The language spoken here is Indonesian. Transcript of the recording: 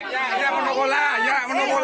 ya ya menunggulah ya menunggulah